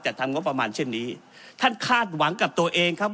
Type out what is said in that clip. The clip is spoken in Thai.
ทำงบประมาณเช่นนี้ท่านคาดหวังกับตัวเองครับ